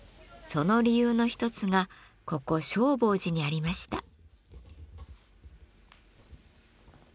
その理由の一つがここ正法寺にありました。